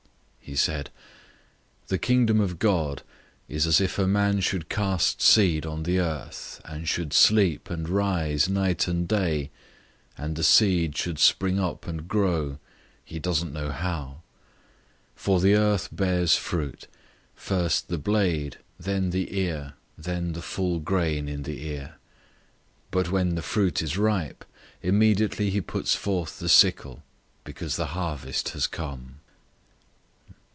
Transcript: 004:026 He said, "The Kingdom of God is as if a man should cast seed on the earth, 004:027 and should sleep and rise night and day, and the seed should spring up and grow, he doesn't know how. 004:028 For the earth bears fruit: first the blade, then the ear, then the full grain in the ear. 004:029 But when the fruit is ripe, immediately he puts forth the sickle, because the harvest has come."